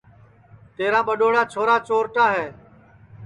تیرا ٻڈؔوڑا چھورا چورٹا ہے